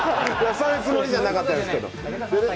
そういうつもりじゃなかったんですけど。